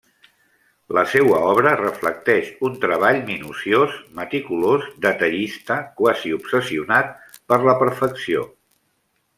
La seua obra reflecteix un treball minuciós, meticulós, detallista, quasi obsessionat per la perfecció.